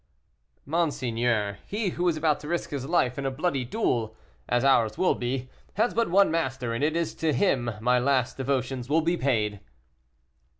"Monseigneur, he who is about to risk his life in a bloody duel, as ours will be, has but one master, and it is to Him my last devotions will be paid."